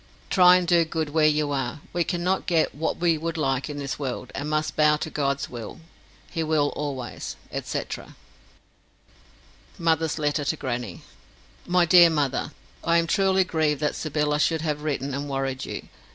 Try and do good where you are. We cannot get what we would like in this world, and must bow to God's will. He will always, &c. Mother's Letter to Grannie MY DEAR MOTHER, I am truly grieved that Sybylla should have written and worried you.